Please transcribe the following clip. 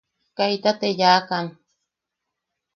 Kaita te yaʼakan.